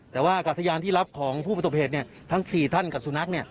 แต่ว่าอากาศยานที่รับของผู้ประสบเหตุทั้ง๔ท่านกับสุนัข